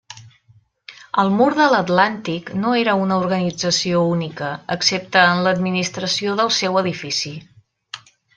El Mur de l'Atlàntic no era una organització única, excepte en l'administració del seu edifici.